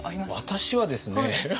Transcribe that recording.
私はですね。